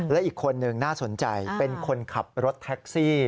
และอีกคนนึงน่าสนใจเป็นคนขับรถแท็กซี่